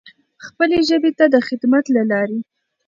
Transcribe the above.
خپلې ژبې ته د خدمت له لارې.